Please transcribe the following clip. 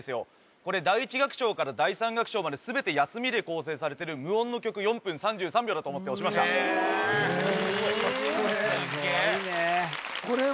これ第１楽章から第３楽章まで全て休みで構成されてる無音の曲「４分３３秒」だと思って押しましたすごいねえ